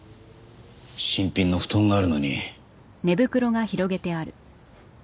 新品の布団があるのに。